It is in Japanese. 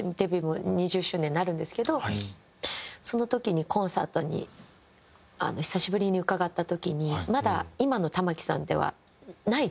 もう２０周年になるんですけどその時にコンサートに久しぶりに伺った時にまだ今の玉置さんではない状況で。